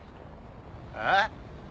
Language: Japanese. えっ？